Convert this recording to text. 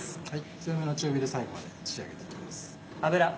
強めの中火で最後まで仕上げていきます。